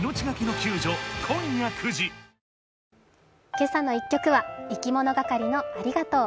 「けさの１曲」はいきものがかりの「ありがとう」。